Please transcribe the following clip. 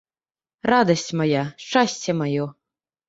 Радасць мая, шчасце маё.